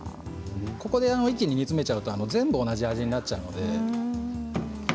ここで一気に煮詰めると全部同じ味になってしまうので。